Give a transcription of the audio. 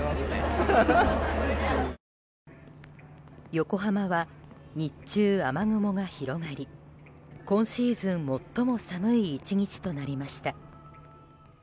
横浜は日中、雨雲が広がり今シーズン最も寒い１日となりました。